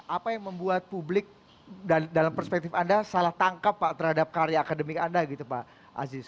apa yang membuat publik dalam perspektif anda salah tangkap pak terhadap karya akademik anda gitu pak aziz